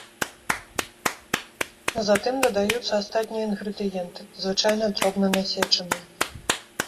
Затым дадаюцца астатнія інгрэдыенты, звычайна дробна насечаныя.